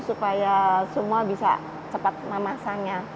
supaya semua bisa cepat memasangnya